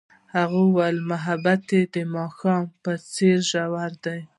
هغې وویل محبت یې د ماښام په څېر ژور دی.